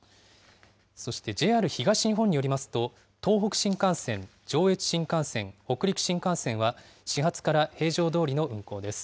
そしてＪＲ東日本によりますと、東北新幹線、上越新幹線、北陸新幹線は、始発から平常どおりの運行です。